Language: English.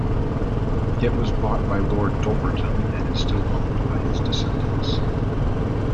It was bought by Lord Dulverton and is still owned by his descendants.